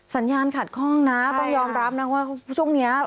สัญญาณขัดข้องนะต้องยอมรับนะว่าช่วงนี้